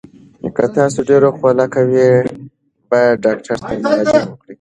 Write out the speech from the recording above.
که تاسو ډیر خوله کوئ، باید ډاکټر ته مراجعه وکړئ.